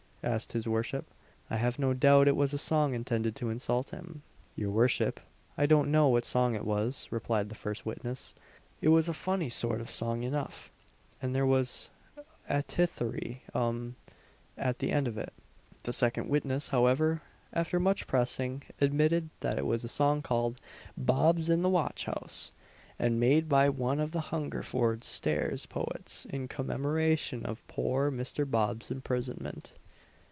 asked his worship; "I have no doubt it was a song intended to insult him." "Your worship, I don't know what song it was," replied the first witness "it was a funny sort of song enough, and there was a tithery um at the end of it." The second witness, however, after much pressing, admitted that it was a song called "Bob's in the watch house," and made by one of the Hungerford stairs poets in commemoration of poor Mr. Bob's imprisonment.